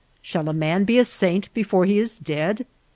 shall a man be a saint before he is dead